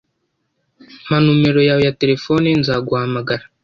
Mpa numero yawe ya terefone nzaguhamagara